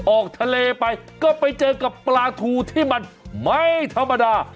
ออกทะเลไปก็ไปเจอกับปลาทูที่มันไม่ธรรมดา